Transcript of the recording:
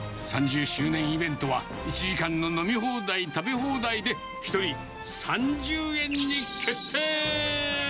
３０周年イベントは、１時間の飲み放題食べ放題で、１人３０円に決定。